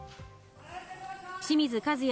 清水和也